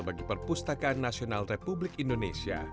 bagi perpustakaan nasional republik indonesia